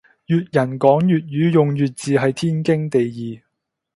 粵人講粵語用粵字係天經地義